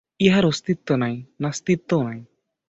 ইহার অস্তিত্ব নাই, নাস্তিত্বও নাই।